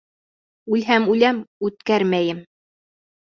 Үлһәм үләм, үткәрмәйем!